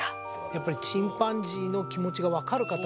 やっぱりチンパンジーの気持ちが分かる方。